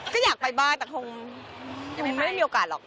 ก็อยากไปบ้านแต่คงยังไม่ได้มีโอกาสหรอก